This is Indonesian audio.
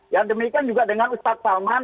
yang demikian juga dengan ustaz salman